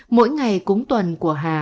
mỗi ngày cúng tuần của hà